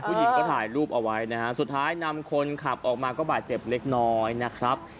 ผู้หญิงก็ถ่ายรูปเอาไว้นะฮะสุดท้ายนำคนขับออกมาก็บาดเจ็บเล็กน้อยนะครับ